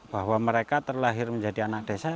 bahwa mereka terlahir menjadi anak desa